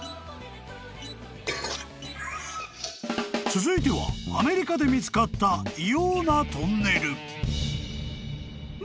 ［続いてはアメリカで見つかった異様なトンネル］